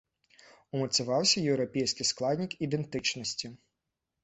Умацаваўся еўрапейскі складнік ідэнтычнасці.